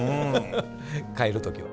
帰る時は。